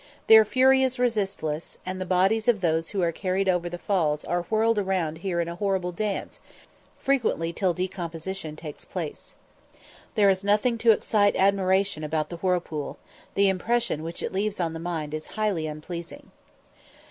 Their fury is resistless, and the bodies of those who are carried over the falls are whirled round here in a horrible dance, frequently till decomposition takes place. There is nothing to excite admiration about the whirlpool; the impression which it leaves on the mind is highly unpleasing.